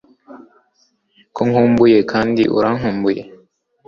ko nkumbuye kandi urankumbuye